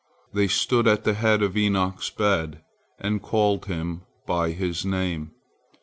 They stood at the head of Enoch's bed, and called him by his name.